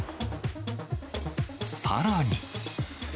さらに。